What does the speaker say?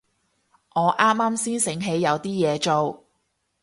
我啱啱先醒起有啲嘢做